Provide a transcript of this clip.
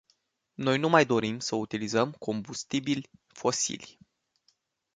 Noi nu mai dorim să utilizăm combustibili fosili.